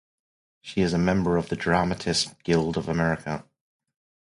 She is a member of the Dramatists Guild of America.